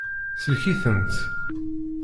Sellek-itent.